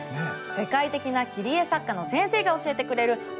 世界的な切り絵作家の先生が教えてくれる「奥深き切り絵の世界」